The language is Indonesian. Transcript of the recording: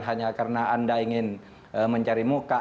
hanya karena anda ingin mencari muka